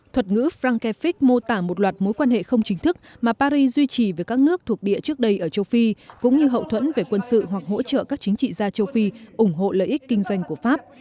thuật ngữ frankefic mô tả một loạt mối quan hệ không chính thức mà paris duy trì với các nước thuộc địa trước đây ở châu phi cũng như hậu thuẫn về quân sự hoặc hỗ trợ các chính trị gia châu phi ủng hộ lợi ích kinh doanh của pháp